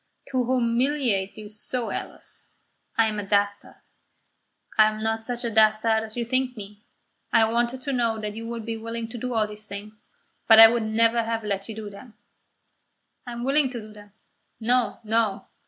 "To humiliate you so, Alice! I am a dastard. I am not such a dastard as you think me. I wanted to know that you would be willing to do all these things, but I would never have let you do them." "I am willing to do them." "No, no."